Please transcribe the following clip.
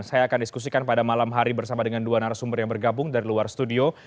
saya akan diskusikan pada malam hari bersama dengan dua narasumber yang bergabung dari luar studio